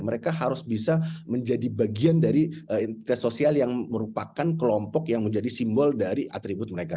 mereka harus bisa menjadi bagian dari tes sosial yang merupakan kelompok yang menjadi simbol dari atribut mereka